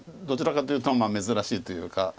どちらかというと珍しいというか。